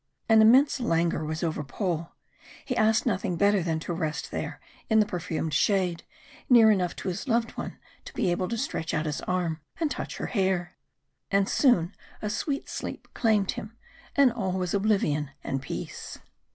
An immense languor was over Paul he asked nothing better than to rest there in the perfumed shade, near enough to his loved one to be able to stretch out his arm and touch her hair. And soon a sweet sleep claimed him, and all was oblivion and peace.